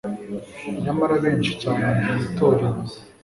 nyamara abenshi cyane mu itorero